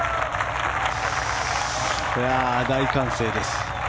大歓声です。